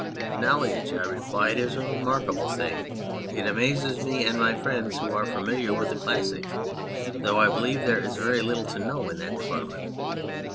"Knowledge," I replied, "is a remarkable thing; it amazes me and my friends who are familiar with the classics, though I believe there is very little to know in that department.